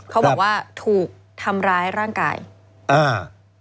เขาบอกว่าถูกทำร้ายร่างกายอ่า